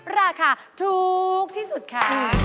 ราคาถูกที่สุดค่ะ